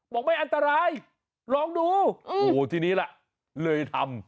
บอกไม่อันตรายลองดูโอ้โหทีนี้ล่ะเลยทำ